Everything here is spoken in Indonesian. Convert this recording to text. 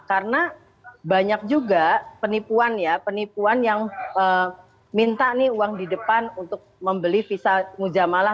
karena banyak juga penipuan ya penipuan yang minta uang di depan untuk membeli visa mujamalah